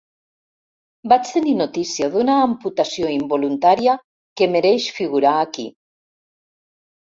Vaig tenir notícia d'una amputació involuntària que mereix figurar aquí.